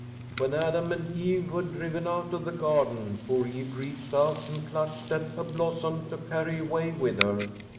When Adam and Eve were driven out of the garden, poor Eve reached out and clutched at a blossom to carry away with her.